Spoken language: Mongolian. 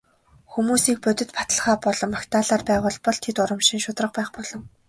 Хүмүүсийг бодит баталгаа болон магтаалаар байгуулбал тэд урамшин шударга байх болно.